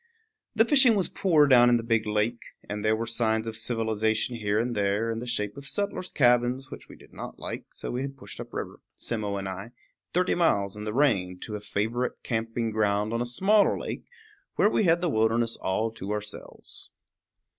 The fishing was poor down in the big lake, and there were signs of civilization here and there, in the shape of settlers' cabins, which we did not like; so we had pushed up river, Simmo and I, thirty miles in the rain, to a favorite camping ground on a smaller lake, where we had the wilderness all to ourselves.